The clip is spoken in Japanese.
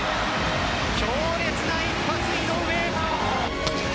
強烈な一発、井上。